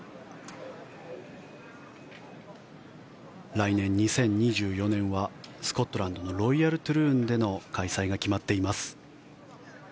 来年２０２４年はスコットランドのロイヤル・トゥルーンでの開催が決まっています。